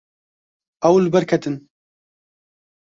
Ew li ber ketin.